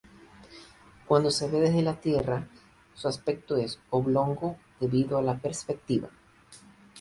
Cuando se ve desde la Tierra su aspecto es oblongo debido a la perspectiva.